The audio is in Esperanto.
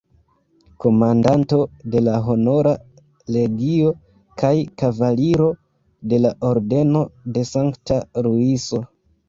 Komandanto de la Honora Legio kaj Kavaliro de la Ordeno de Sankta Luiso.